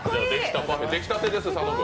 出来たてです、佐野君。